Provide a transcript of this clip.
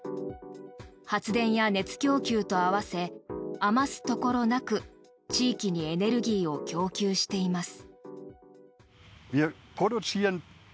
発電や熱供給と合わせ余すところなく地域にエネルギーを供給しています。